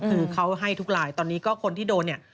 คือเขาให้ทุกลายตอนนี้ก็คนที่โดนเนี่ย